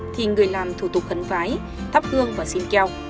thì người làm thủ tục khấn vái thắp hương và xin keo